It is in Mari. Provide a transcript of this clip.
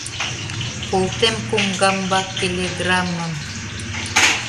Колтем коҥгамбак телеграммым